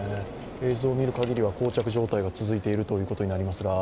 映像見るかぎりはこう着状態が続いているということになりますが。